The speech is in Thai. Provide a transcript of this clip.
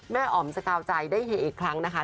แม่ออ๋อมสกาวใจได้เหตุครั้งนะคะ